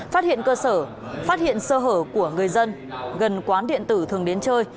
phát hiện cơ sở phát hiện sơ hở của người dân gần quán điện tử thường đến chơi